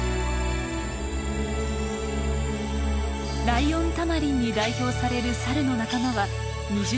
ライオンタマリンに代表されるサルの仲間は２０種以上。